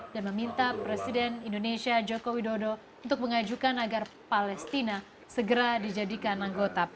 dan meminta presiden indonesia joko widodo untuk mengajukan agar palestina segera dijadikan anggota pbb